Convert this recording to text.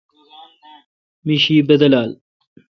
می شی بدلال ۔